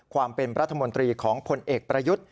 ความเป็นรัฐมนตรีของผลเอกประยุทธ์